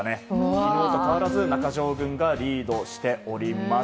昨日と変わらず、中条軍がリードしております。